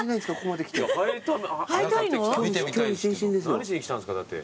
何しに来たんですかだって。